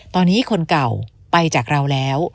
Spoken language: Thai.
ตอนนี้คนเก่าไปจากเราแล้ว